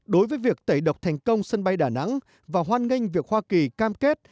đối với việc tẩy độc thành công sân bay đà nẵng và hoan nghênh việc hoa kỳ cam kết